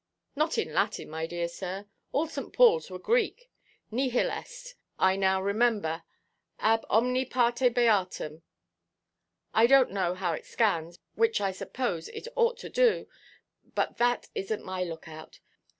"Not in Latin, my dear sir; all St. Paulʼs were Greek. 'Nihil est,' I now remember, 'ab omni parte beatum.' I donʼt know how it scans, which I suppose it ought to do, but that isnʼt my look–out.